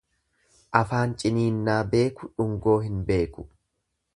Afaan ciniinnaa beeku dhungoo hin beeku.